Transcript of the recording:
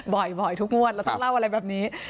บ่อยทุกงวดเราต้องเล่าอะไรแบบนี้